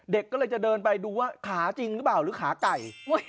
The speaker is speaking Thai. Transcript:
เด็กก็เลยจะเดินไปดูว่าขาจริงหรือเปล่าหรือขาไก่